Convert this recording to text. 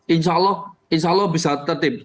insya allah bisa tertib